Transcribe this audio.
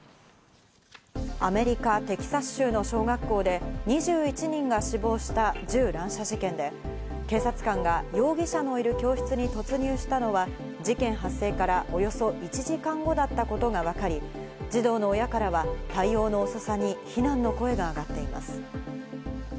アメリカ・テキサス州の小学校で２１人が死亡した銃乱射事件で、警察官が容疑者のいる教室に突入したのは事件発生からおよそ１時間後だったことがわかり、児童の親からは対応の遅さに非難の声が上がっています。